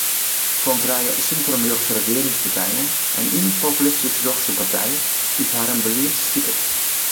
Fan trije sintrum-rjochtse regearingspartijen en ien populistysk-rjochtse partij dy’t harren belied stipet.